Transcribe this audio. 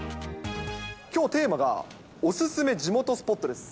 きょうテーマが、お勧め地元スポットです。